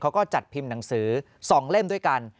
เขาก็จัดพิมพ์หนังสือ๒เล่มด้วยกัน